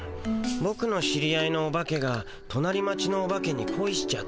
ボクの知り合いのオバケがとなり町のオバケにこいしちゃって。